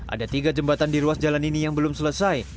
ada tiga jembatan di ruas jalan ini yang belum selesai